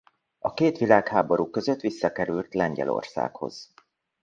A két világháború között visszakerült Lengyelországhoz.